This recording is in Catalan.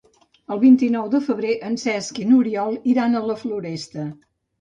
El vint-i-nou de febrer en Cesc i n'Oriol iran a la Floresta.